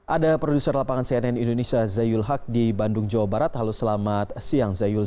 ada produser lapangan cnn indonesia zayul haq di bandung jawa barat halo selamat siang zayul